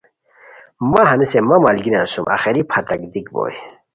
مہ ہنیسے مہ ملگیریان سُم آخری پھتاک دیک بوئے